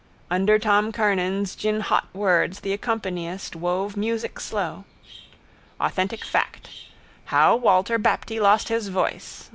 Under Tom Kernan's ginhot words the accompanist wove music slow. Authentic fact. How Walter Bapty lost his voice.